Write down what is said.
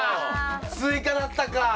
スイカだったか！